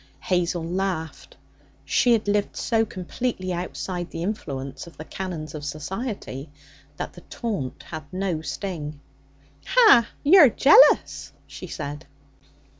Hazel laughed. She had lived so completely outside the influence of the canons of society that the taunt had no sting. 'Ha! you're jealous!' she said.